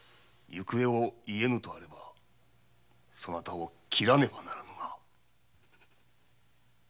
行方を言えぬとあればそなたを斬らねばならぬが。